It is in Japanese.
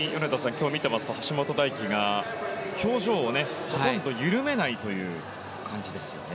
今日見ていますと橋本大輝が表情をほとんど緩めないという感じですよね。